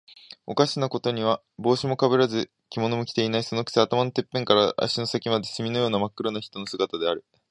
おかしなことには、帽子もかぶらず、着物も着ていない。そのくせ、頭のてっぺんから足の先まで、墨のようにまっ黒な人の姿です。